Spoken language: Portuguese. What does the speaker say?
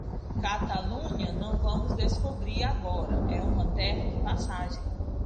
Catalunha, não vamos descobrir agora, é uma terra de passagem.